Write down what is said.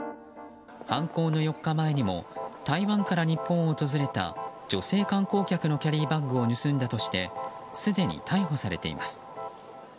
犯行の４日前にも台湾から日本を訪れた女性観光客のキャリーバッグを盗んだとしてすでに逮捕されています。